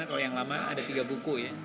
kalau yang lama ada tiga buku ya